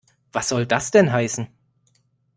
Was soll das denn heißen?